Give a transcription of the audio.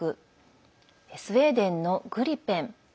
スウェーデンのグリペン